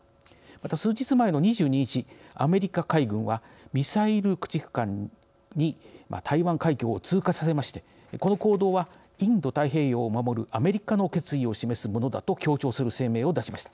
また、数日前の２２日アメリカ海軍はミサイル駆逐艦に台湾海峡を通過させましてこの行動はインド太平洋を守るアメリカの決意を示すものだと強調する声明を出しました。